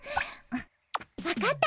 分かった。